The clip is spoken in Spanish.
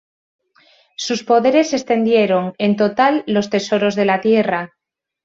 Sus poderes extendieron en total los tesoros de la tierra.